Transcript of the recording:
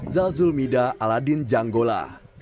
zalzul mida aladin janggola